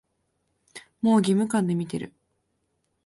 もう義務感で見てる